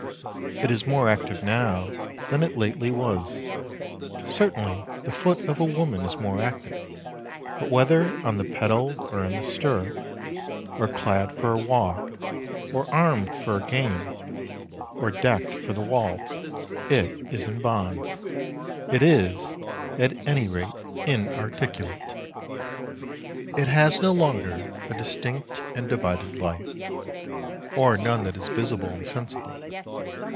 It is more active now than it lately was certainly the foot of woman is more active; but whether on the pedal or in the stirrup, or clad for a walk, or armed for a game, or decked for the waltz, it is in bonds. It is, at any rate, inarticulate. It has no longer a distinct and divided life, or none that is visible and sensible.